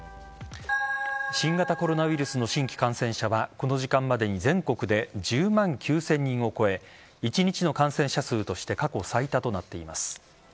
新型コロナウイルスの新規感染者はこの時間までに全国で１０万９０００人を超え１日の感染者数として過去最多となっています。